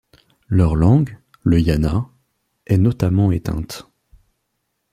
Leur langue, le yana, est notamment éteinte.